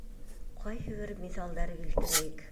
Ҡайһы бер миҫалдар килтерәйек.